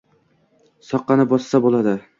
soqqani bossa bo‘ldi.